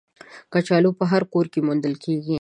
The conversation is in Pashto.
کچالو په هر کور کې موندل کېږي